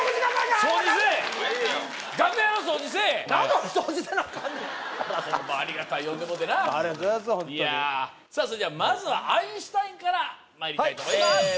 ホントにいやさあそれじゃまずはアインシュタインからまいりたいと思いますええ